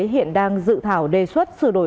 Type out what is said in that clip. hiện đang dự thảo đề xuất sử đổi